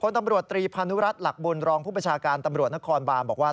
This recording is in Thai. ตำรวจตรีพานุรัติหลักบุญรองผู้ประชาการตำรวจนครบานบอกว่า